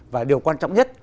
và điều quan trọng nhất